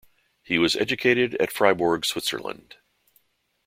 He was educated at Fribourg, Switzerland.